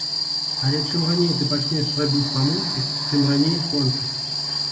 Але чым раней ты пачнеш рабіць памылкі, тым раней скончыш.